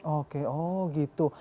oke oh gitu